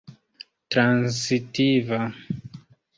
transitiva